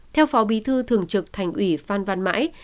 theo phó bí thư thường trực thành ủy phan văn mãi